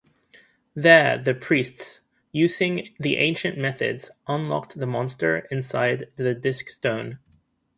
There the priests, using the ancient methods, unlocked the monster inside the disc stone.